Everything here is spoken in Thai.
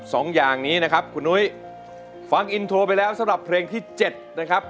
สองอย่างนี้นะครับคุณนุ้ยฟังอินโทรไปแล้วสำหรับเพลงที่เจ็ดนะครับ